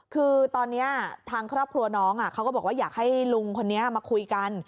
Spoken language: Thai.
คือตอนนี้ทางครอบครัวน้องเขาก็บอกว่าอยากให้ลุงคนนี้มาคุยกัน